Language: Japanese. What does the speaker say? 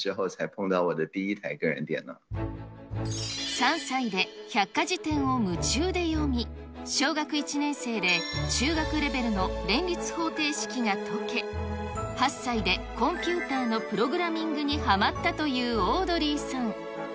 ３歳で百科事典を夢中で読み、小学１年生で中学レベルの連立方程式が解け、８歳でコンピューターのプログラミングにはまったというオードリーさん。